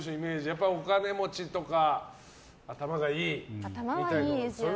やっぱりお金持ちとか頭がいいとか。